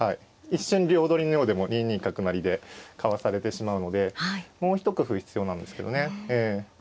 一瞬両取りのようでも２二角成でかわされてしまうのでもう一工夫必要なんですけどね。